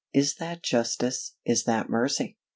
Is that justice? Is that mercy?